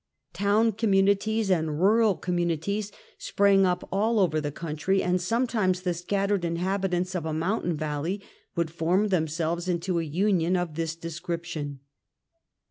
Town communities and rural communities sprang up all over the country and sometimes the scattered inhabitants of a mountain valley would form themselves into a union of this description.